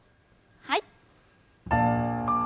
はい。